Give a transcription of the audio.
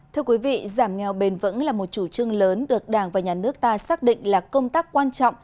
thưa quý vị giảm nghèo bền vững là một chủ trương lớn được đảng và nhà nước ta xác định là công tác quan trọng